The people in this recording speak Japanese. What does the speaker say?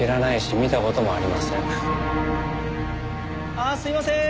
ああすいません。